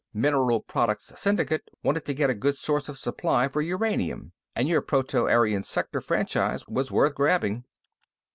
Mineral Products Syndicate wanted to get a good source of supply for uranium, and your Proto Aryan Sector franchise was worth grabbing.